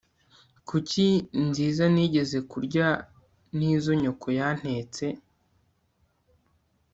kuki nziza nigeze kurya nizo nyoko yantetse